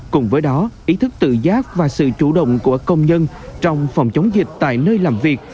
cùng với đó ý thức tự giác và sự chủ động của công nhân trong phòng chống dịch tại nơi làm việc